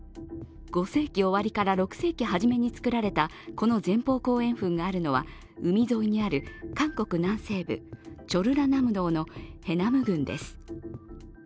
５世紀終わりから６世紀初めに造られたこの前方後円墳があるのは海沿いにある韓国南西部チョルラナムドのヘナム郡です。